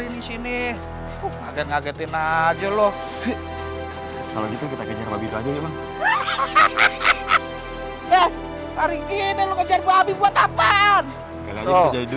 ini sini agak agakin aja loh kalau gitu kita kejar lagi aja ya bang hahaha deh tarik